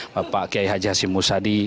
bapak kiai haji hashim musadi